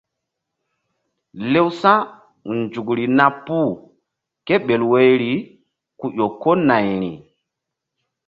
Lewsa̧nzukri na puh kéɓel woyri ku ƴo ko nayri.